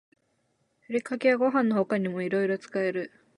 ふりかけはご飯の他にもいろいろ使える